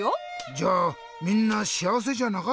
じゃあみんなしあわせじゃなかったんだ。